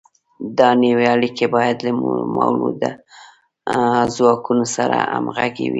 دا نوې اړیکې باید له مؤلده ځواکونو سره همغږې وي.